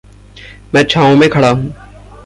मैं छाँओं में खड़ा हूँ।